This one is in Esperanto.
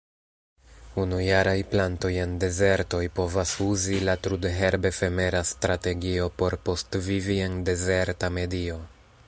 Unujaraj plantoj en dezertoj povas uzi la trudherb-efemera strategio por postvivi en dezerta medio.